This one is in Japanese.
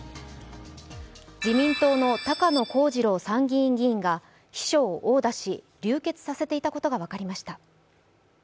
自民党の高野光二郎参議院議員が秘書を殴打し、流血させていたことが分かりました。